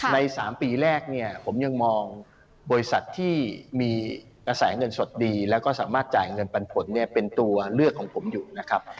ใน๓ปีแรกเนี่ยผมยังมองบริษัทที่มีกระแสเงินสดดีแล้วก็สามารถจ่ายเงินปันผลเนี่ยเป็นตัวเลือกของผมอยู่นะครับ